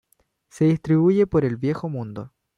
Se distribuye por el Viejo Mundo.